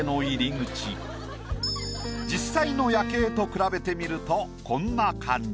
実際の夜景と比べてみるとこんな感じ。